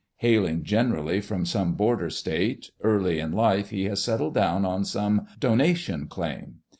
Hailing generally from some border state, early in life, he has settled down on some " do nation" claim.